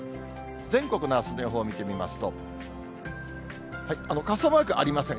全国のあすの予報を見てみますと、傘マークありません。